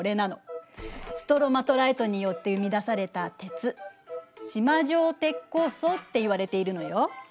ストロマトライトによって生み出された鉄縞状鉄鉱層っていわれているのよ。